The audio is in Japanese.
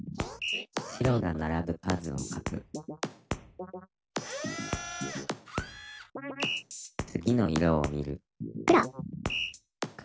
白がならぶ数を書く次の色を見る「黒」。